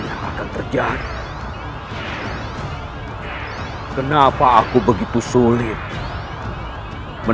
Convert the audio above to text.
jangan lupa like share dan subscribe ya